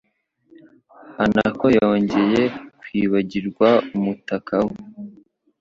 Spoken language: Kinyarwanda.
Hanako yongeye kwibagirwa umutaka we.